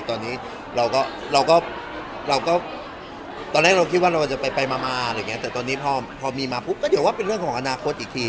ตอนนี้เราก็ตอนแรกเราคิดว่าเราจะไปมาม่าแต่ตอนนี้พอมีมาก็เดี๋ยวว่าเป็นเรื่องของอนาคตอีกที